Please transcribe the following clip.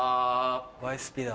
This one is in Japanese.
『ワイスピ』だ。